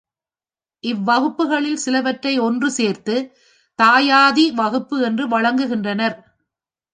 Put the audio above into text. இவ்வகுப்புகளில் சிலவற்றை ஒன்று சேர்த்துத் தாயாதி வகுப்பு என்று வழங்குகின்றனர்.